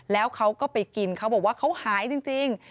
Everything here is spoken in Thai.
แล้วเขาก็ไปกินเขาบอกว่าเขาหายจริง